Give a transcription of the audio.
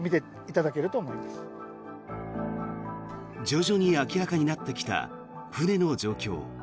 徐々に明らかになってきた船の状況。